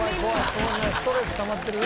そんなストレスたまってる？」